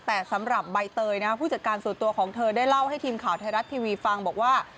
แต่สำหรับใบเตยนะผู้จัดการส่วนตัวของเธอได้เล่าให้ทีมข่าวไทยรัฐทีวีฟังบอกว่า